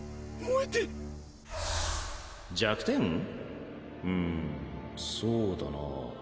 うんそうだなあ